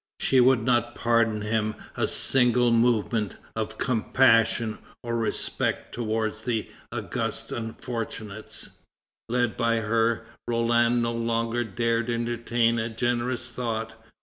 She would not pardon him a single movement of compassion or respect towards the august unfortunates. Led by her, Roland no longer dared entertain a generous thought.